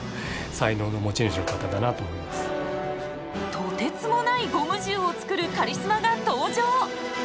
とてつもないゴム銃を作るカリスマが登場！